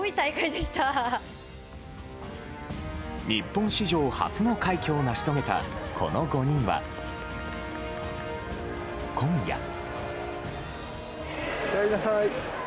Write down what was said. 日本史上初の快挙を成し遂げたこの５人は、今夜。